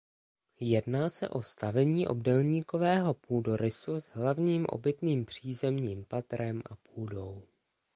Jedná se o stavení obdélníkového půdorysu s hlavním obytným přízemním patrem a půdou.